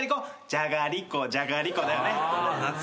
じゃがりこじゃがりこだよね。